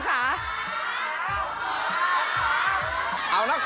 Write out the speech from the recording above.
เสาคำยันอาวุธิ